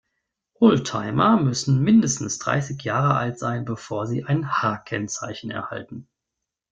Oldtimer müssen mindestens dreißig Jahre alt sein, bevor sie ein H-Kennzeichen erhalten.